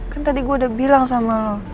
kan tadi gue udah bilang sama lo